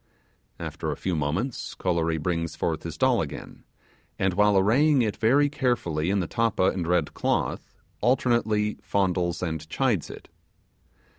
After a few moments Kolory brings forth his doll again, and while arraying it very carefully in the tappa and red cloth, alternately fondles and chides it.